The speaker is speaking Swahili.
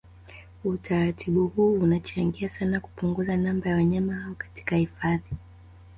Utaratibu huu unachangia sana kupunguza namba ya wanyama hao katika hifadhi